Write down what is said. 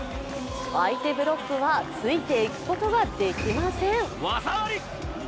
相手ブロックはついていくことができません。